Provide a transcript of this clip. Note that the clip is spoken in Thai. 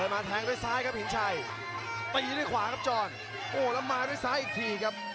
แชลเบียนชาวเล็ก